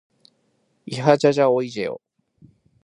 いはじゃじゃおいじぇお。